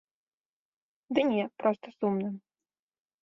Ды не, проста сумным.